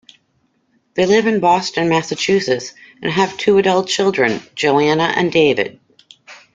They live in Boston, Massachusetts, and have two adult children, Joanna and David.